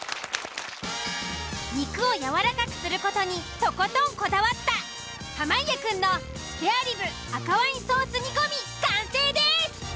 肉をやわらかくする事にとことんこだわった濱家くんのスペアリブ赤ワインソース煮込み完成です！